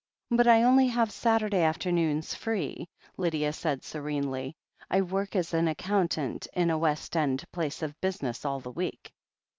"But I only have Saturday afternoons free," Lydia said serenely. "I work as accountant in a West End place of business all the week."